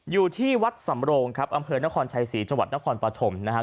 อยู่ที่วัดสำโรงครับอำเภอนครชัยศรีจังหวัดนครปฐมนะครับ